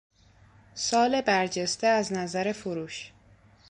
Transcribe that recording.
سال برجسته از نظر فروش